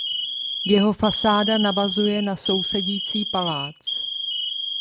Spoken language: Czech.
Jeho fasáda navazuje na sousedící palác.